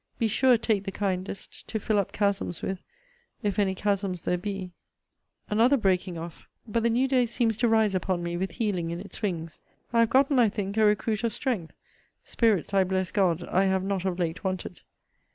Be sure take the kindest, to fill up chasms with, if any chasms there be Another breaking off! But the new day seems to rise upon me with healing in its wings. I have gotten, I think, a recruit of strength: spirits, I bless God, I have not of late wanted.